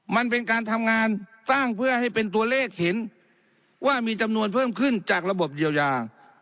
มันเป็นการทำงานสร้างเพื่อให้เป็นตัวเลขเห็นว่ามีจำนวนเพิ่มขึ้นจากระบบเยียวยา